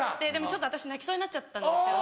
ちょっと私泣きそうになっちゃったんですよ。